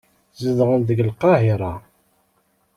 Zedɣen deg Lqahira.